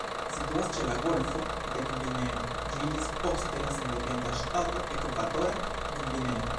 Situa ĉe la golfo de Gvineo, Ĝi iĝis poste la sendependa ŝtato Ekvatora Gvineo.